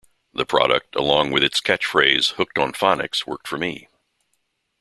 The product, along with its catchphrase Hooked on Phonics worked for me!